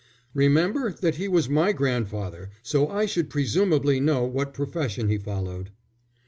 "Remember that he was my grandfather, so I should presumably know what profession he followed."